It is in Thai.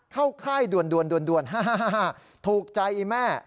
เข้าค่ายด่วนทูกใจไอ้แม่